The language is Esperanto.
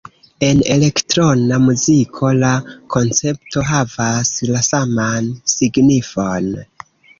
En elektrona muziko la koncepto havas la saman signifon.